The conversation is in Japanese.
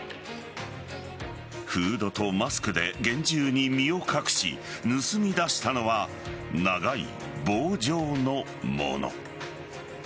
フードとマスクで厳重に身を隠し盗み出したのは長い棒状のもの。